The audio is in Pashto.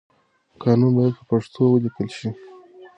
قانون بايد په پښتو وليکل شي.